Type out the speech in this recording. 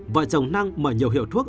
vợ chồng năng mở nhiều hiệu thuốc